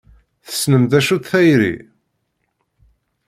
Tessnem d acu-tt tayri?